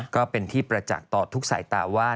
ก็เป็นที่ประจักษ์ต่อทุกสายตาว่า